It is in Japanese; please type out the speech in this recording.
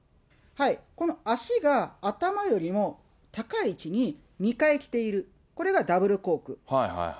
この足が頭よりも高い位置に２回来ている、これがダブルコーク。